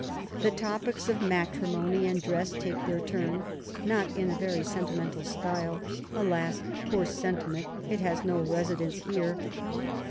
The topics of matrimony and dress take their turn, not in a very sentimental style, — alas I poor sentiment, it has no residence here.